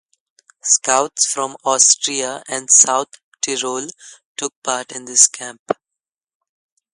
Scouts from Austria and South Tyrol took part in this camp.